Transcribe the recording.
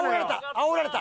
あおられた！